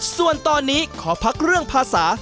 ส่วนตอนนี้ขอพักเรื่องภาษา